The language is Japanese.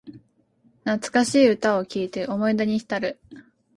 懐かしい歌を聴いて思い出にひたる